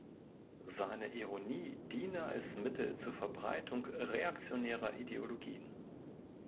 Seine Ironie diene als Mittel zur Verbreitung „reaktionärer Ideologien“.